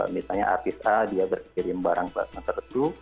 misalnya artis a dia berkirim barang ke masyarakat itu